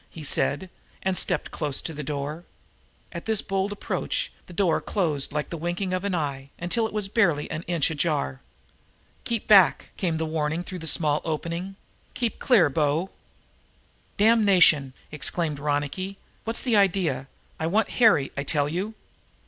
he said and stepped close to the door. At his bold approach the door was closed like the winking of an eye, until it was barely an inch ajar. "Keep back!" came the warning through this small opening. "Keep clear, bo!" "Damnation!" exclaimed Ronicky. "What's the idea? I want Harry, I tell you."